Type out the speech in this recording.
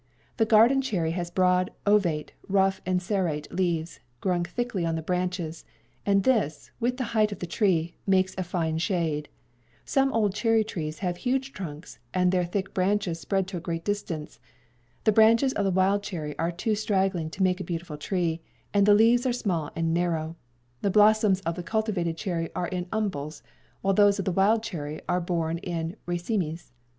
The garden cherry has broad, ovate, rough and serrate leaves, growing thickly on the branches, and this, with the height of the tree, makes a fine shade. Some old cherry trees have huge trunks, and their thick branches spread to a great distance. The branches of the wild cherry are too straggling to make a beautiful tree, and the leaves are small and narrow. The blossoms of the cultivated cherry are in umbels, while those of the wild cherry are borne in racemes."